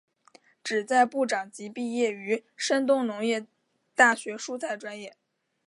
旨在部长级毕业于山东农业大学蔬菜专业。